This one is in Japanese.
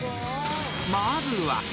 ［まずは。